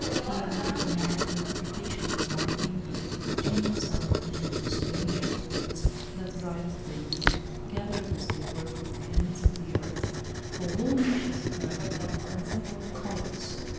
He even took a mild gratification in marking the heterogeneous element of the stranger hordes that arrived daily, gathered as they were from the ends of the earth, of all nations apparently, and several colours.